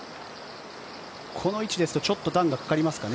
この位置だとちょっと段がかかりますかね。